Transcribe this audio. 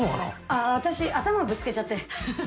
ああ私頭ぶつけちゃって。